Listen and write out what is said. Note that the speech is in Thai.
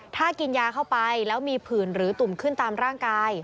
ถ้ากินยาเข้าไปแล้วมีผื่นหรือตุ่มขึ้นตามร่างกาย